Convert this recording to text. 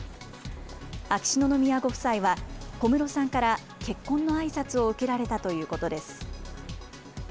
秋篠宮ご夫妻は、小室さんから結婚のあいさつを受けられたということです。